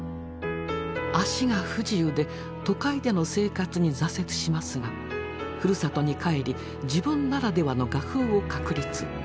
足が不自由で都会での生活に挫折しますがふるさとに帰り自分ならではの画風を確立。